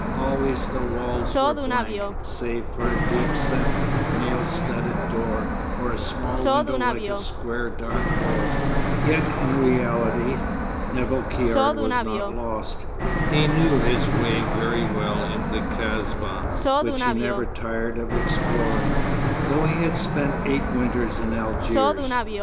Always the walls were blank, save for a deep set, nail studded door, or a small window like a square dark hole. Yet in reality, Nevill Caird was not lost. He knew his way very well in the Kasbah, which he never tired of exploring, though he had spent eight winters in Algiers.